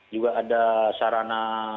juga ada sarana